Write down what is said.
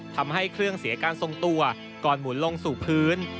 ทำให้เครื่องเสียการทรงตัวก่อนหมุนลงสู่พื้น